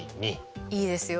いいですよ。